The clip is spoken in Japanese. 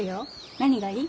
何がいい？